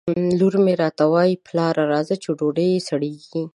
لور مې راته وایي ! پلاره راځه چې ډوډۍ سړېږي